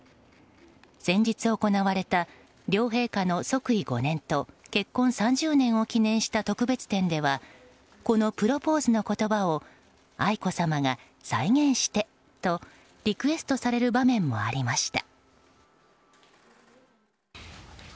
先日行われた両陛下の即位５年と結婚３０年を記念した特別展ではこのプロポーズお言葉を愛子さまが、再現してとリクエストされる場面もありました。